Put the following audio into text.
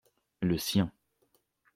Le sien.